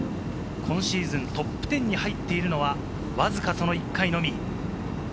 今シーズン、トップ１０に入っているのは、わずかその１回のみ。